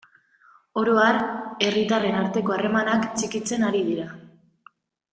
Oro har, herritarren arteko harremanak txikitzen ari dira.